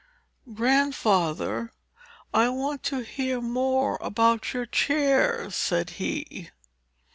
"Grandfather, I want to hear more about your chair," said he.